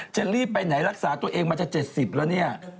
จะรีบไปไหนรักษาตัวเองมาจะ๗๐แล้วเนี่ย